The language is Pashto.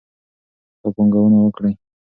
ښه پانګونه وکړئ.